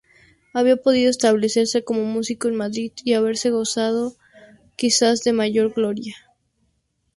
Habría podido establecerse como músico en Madrid y haber gozado quizás de mayor gloria.